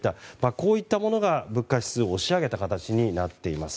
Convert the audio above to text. こういったものが物価指数を押し上げた形になっています。